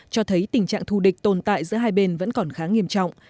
cho thấy tình trạng thù địch tồn tại giữa hai bên vẫn còn khá nghiêm trọng